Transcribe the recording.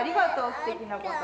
すてきなこと。